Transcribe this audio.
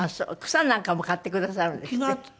草なんかも刈ってくださるんですって？